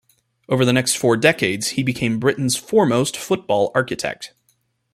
Over the next four decades he became Britain's foremost football architect.